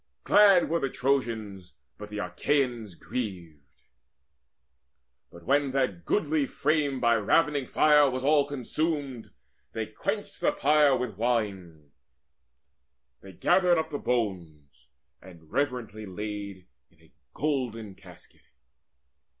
Glad were the Trojans, but the Achaeans grieved. But when that goodly frame by ravening fire Was all consumed, they quenched the pyre with wine; They gathered up the bones, and reverently Laid in a golden casket.